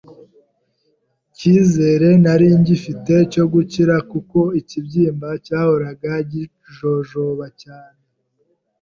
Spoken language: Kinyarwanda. kizere nari ngifite cyo gukira kuko ikibyimba cyahoraga kijojoba cyane,